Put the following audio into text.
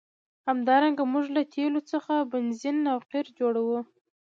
همدارنګه موږ له تیلو څخه بنزین او قیر جوړوو.